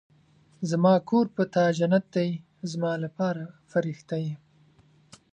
زما کور په تا جنت دی ، زما لپاره فرښته ېې